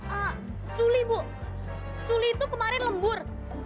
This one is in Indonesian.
ah sulit bu suli itu kemarin lembur